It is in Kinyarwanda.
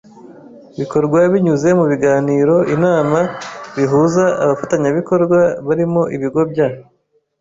bikorwa binyuze mu biganiro inama bihuza abafatanyabikorwa barimo ibigo bya